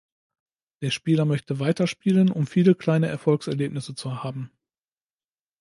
Der Spieler möchte weiterspielen, um viele kleine Erfolgserlebnisse zu haben.